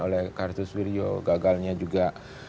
oleh kartus wirjo gagalnya juga